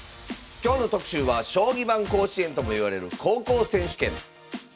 今日の特集は将棋版甲子園ともいわれる高校選手権。